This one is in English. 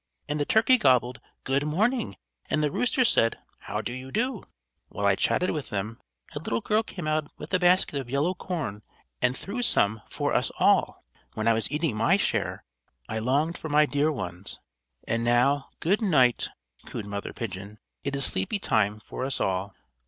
and the turkey gobbled 'Good morning!' and the rooster said 'How do you do?' While I chatted with them a little girl came out with a basket of yellow corn, and threw some for us all. When I was eating my share, I longed for my dear ones. And now good night," cooed Mother Pigeon, "it is sleepy time for us all."